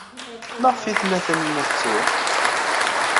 Maɣef ay tella Taninna tettru?